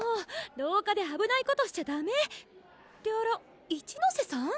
廊下であぶないことしちゃダメ！ってあら一之瀬さん？